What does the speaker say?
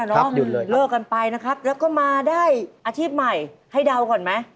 หยุดเลยครับหืมเลิกกันไปนะครับแล้วก็มาได้อาชีพใหม่ให้เดาก่อนไหม